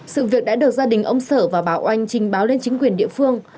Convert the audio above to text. sự việc đã được gia đình ông sợ và bà oanh trình báo lên chính quyền